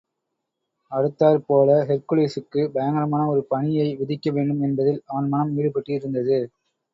அடுத்தாற்போல ஹெர்குலிஸுக்கு பயங்கரமான ஒரு பணியை விதிக்க வேண்டும் என்பதில் அவன் மனம் ஈடுபட்டிருந்தது.